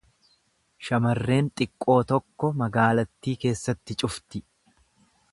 Shamarreen xiqqoo tokko magaalattii keessatti cufti.